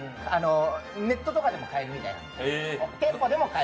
ネットとかでも帰るみたいなんで。